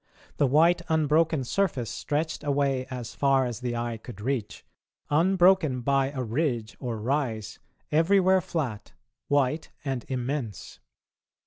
The white unbroken surface stretched away as far as the eye could reach, unbroken by a ridge or rise, everywhere flat, white and immense.